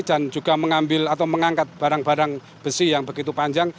juga mengambil atau mengangkat barang barang besi yang begitu panjang